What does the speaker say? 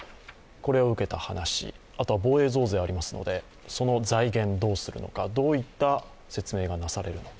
これを受けた話、あとは防衛増税がありますのでその財源、どうするのか、どういった説明がなされるのか。